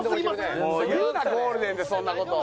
もう言うなゴールデンでそんな事。